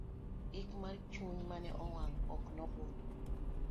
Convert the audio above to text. ik mar chuny mane owang' ok nobudho